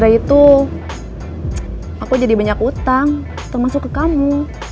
itu aku jadi banyak utang termasuk ke kamu